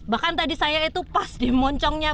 bahkan tadi saya itu pas dimoncongnya